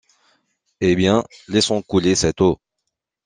Eh bien, laissons couler cette eau!